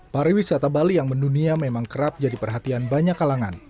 pariwisata bali yang mendunia memang kerap jadi perhatian banyak kalangan